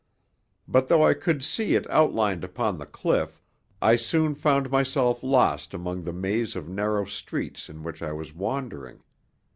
But though I could see it outlined upon the cliff, I soon found myself lost among the maze of narrow streets in which I was wandering.